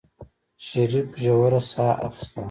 شريف ژوره سا اخېستله.